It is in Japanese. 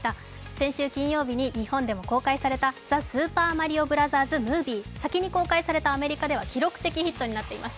先週金曜日に日本でも公開された「ザ・スーパーマリオブラザーズ・ムービー」、先に公開されたアメリカでは記録的ヒットとなっています。